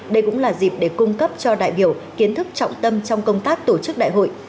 đây cũng là dịp để cung cấp cho đại biểu kiến thức trọng tâm trong công tác tổ chức đại hội